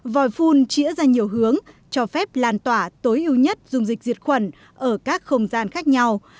vòi phun chỉa ra nhiều hướng cho phép làn tỏa tối ưu nhất dùng dịch diệt khuẩn ở các không gian khác nhau